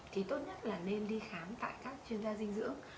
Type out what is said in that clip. thì tốt nhất là nên đi khám tại các chuyên gia dinh dưỡng